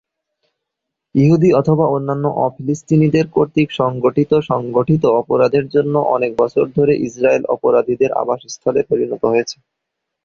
ইহুদী অথবা অন্যান্য অ-ফিলিস্তিনিদের কর্তৃক সংগঠিত সংঘটিত অপরাধের জন্য অনেক বছর ধরে ইসরায়েল অপরাধীদের আবাসস্থলে পরিণত হয়েছে।